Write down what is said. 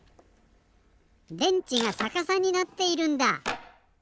電池がさかさになっているんだ。